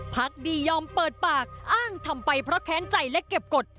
พักดียอมเปิดปากอ้างทำไปเพราะแค้นใจและเก็บกฎ